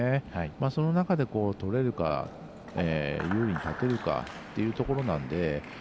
その中で取れるか優位に立てるかというところなので。